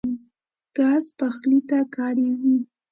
ګاز پخلي ته کارېږي.